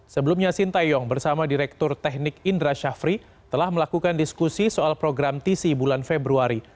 sebelumnya sintayong bersama direktur teknik indra syafri telah melakukan diskusi soal program tisi bulan februari